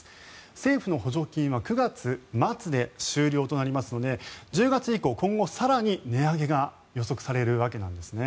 政府の補助金は９月末で終了となりますので１０月以降、今後更に値上げが予想されるわけなんです。